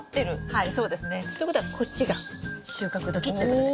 はいそうですね。ということはこっちが収穫時ってことです。